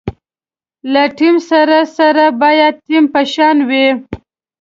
له ټیم سره سړی باید ټیم په شان وي.